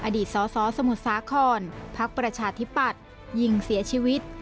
อดีตสสสมุทรสาครพักประชาธิปัตย์ยิงเสียชีวิต